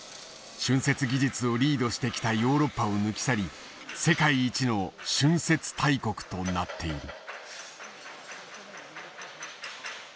浚渫技術をリードしてきたヨーロッパを抜き去り世界一の浚渫大国となっている。